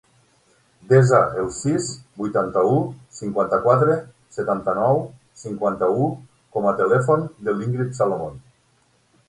Desa el sis, vuitanta-u, cinquanta-quatre, setanta-nou, cinquanta-u com a telèfon de l'Íngrid Salomon.